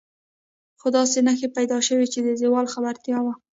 خو داسې نښې پیدا شوې چې د زوال خبرتیا وه.